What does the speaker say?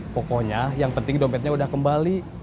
pokoknya yang penting dompetnya udah kembali